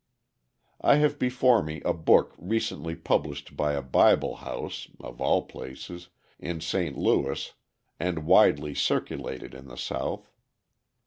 I have before me a book recently published by a Bible house (of all places!) in St. Louis and widely circulated in the South.